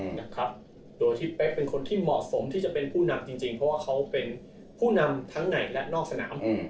นะครับโดยที่เป๊กเป็นคนที่เหมาะสมที่จะเป็นผู้นำจริงจริงเพราะว่าเขาเป็นผู้นำทั้งในและนอกสนาม